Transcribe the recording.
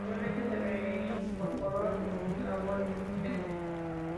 Posteriormente se reincorporó a sus labores docentes.